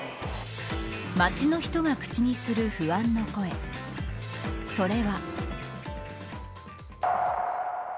街の人が口にする不安の声それは。